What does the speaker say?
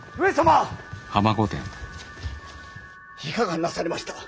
いかがなされました？